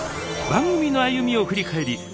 番組の歩みを振り返り